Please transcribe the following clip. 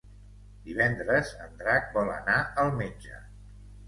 Divendres en Drac vol anar al metge.